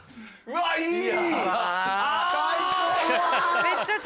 うわいい！